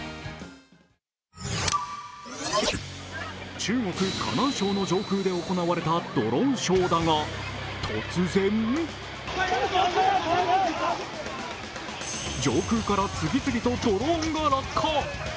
中国河南省の上空で行われたドローンショーだが上空から次々とドローンが落下。